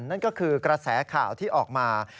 นั่นก็คือกระแสข่าวที่ออกมา